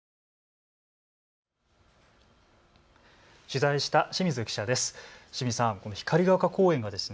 取材した清水記者です。